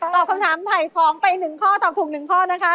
ตอบคำถามถ่ายของไปหนึ่งข้อตอบถูกหนึ่งข้อนะคะ